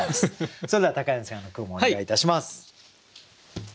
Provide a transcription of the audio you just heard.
それでは柳さんの句もお願いいたします。